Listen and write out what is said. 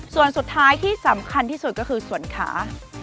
ส่วนสุดท้ายที่สำคัญที่สุดก็คือส่วนขา